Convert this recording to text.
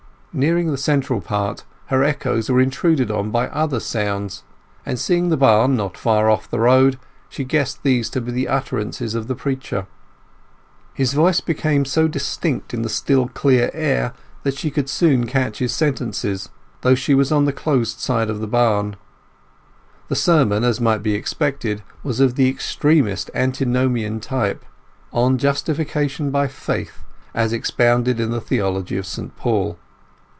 Nearing the central part, her echoes were intruded on by other sounds; and seeing the barn not far off the road, she guessed these to be the utterances of the preacher. His voice became so distinct in the still clear air that she could soon catch his sentences, though she was on the closed side of the barn. The sermon, as might be expected, was of the extremest antinomian type; on justification by faith, as expounded in the theology of St Paul.